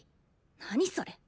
何それ？